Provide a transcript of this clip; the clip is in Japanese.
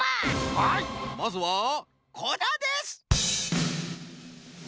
はいまずはこちらです！